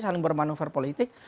saling bermanufa politik